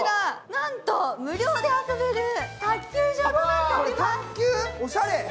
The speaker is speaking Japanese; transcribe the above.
なんと、無料で遊べる卓球場になっております。